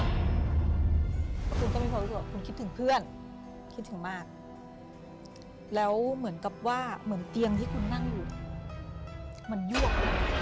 แล้วคุณก็มีความรู้สึกว่าคุณคิดถึงเพื่อนคิดถึงมากแล้วเหมือนกับว่าเหมือนเตียงที่คุณนั่งอยู่มันยวก